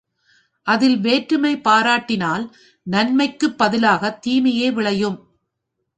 அதில் வேற்றுமை பாராட்டினால், நன்மைக்குப் பதிலாகத் தீமையே விளையும்.